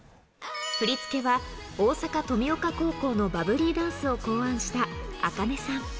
振り付けは大阪・登美丘高校のバブリーダンスを考案したアカネさん。